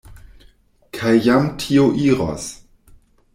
Kaj jam tio iros.